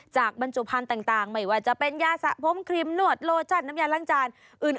จากบรรจุภัณฑ์ต่างไม่ว่าจะเป็นยาสะพร้อมครีมหนวดโลจัดน้ำยาล่างจาน